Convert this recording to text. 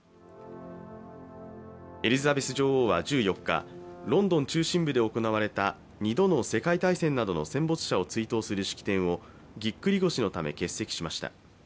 エリザベス女王は１４日、ロンドン中心部で行われた、２度の世界大戦などの戦没者を追悼する式典をぎっくり腰のため欠席しました。